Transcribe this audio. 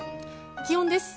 気温です。